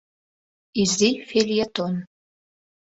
Изи фельетон